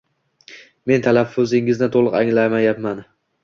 Men talaffuzingizni to' liq anglamayapman.